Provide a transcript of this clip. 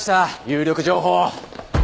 有力情報。